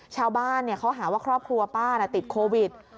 ชาวบ้านเขาหาว่าครอบครัวป้าติดโควิด